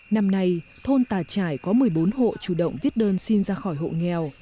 năm nay thôn tà trải có một mươi bốn hộ chủ động viết đơn xin ra khỏi hộ nghèo